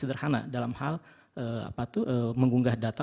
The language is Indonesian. sederhana dalam hal mengunggah data